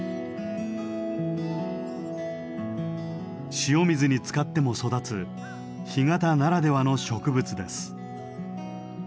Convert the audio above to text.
潮水につかっても育つ干潟ならではの植物です。